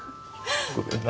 ごめんな。